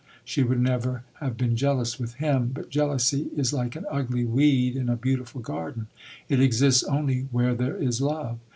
She would never have been jealous with him. But jealousy is like an ugly weed in a beautiful garden; it exists only where there is love.